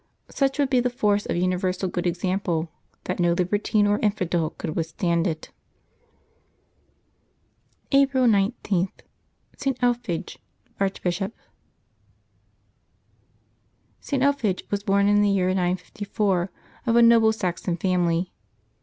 Such would be the force of universal good example, that no libertine or infidel could withstand it. April 19.— ST. ELPHEGE, Archbishop. [t. Elphege was born in the year 95 1, of a noble Saxon family.